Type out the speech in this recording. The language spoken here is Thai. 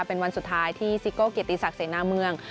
เป็นวันสุดท้ายที่ซิโก้เกียรติศักดิเสนาเมือง